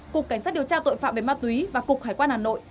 cục cảnh sát điều tra tội phạm về ma túy và cục hải quan hà nội